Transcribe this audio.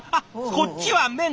こっちは麺だ。